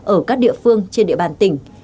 ở các địa phương trên địa bàn tỉnh